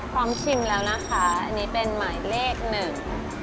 ชิมแล้วนะคะอันนี้เป็นหมายเลขหนึ่ง